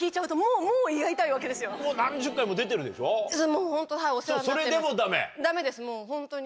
もうホントはいお世話になってます。